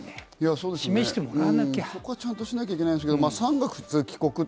そこはちゃんとしなきゃいけないですけど３月帰国と。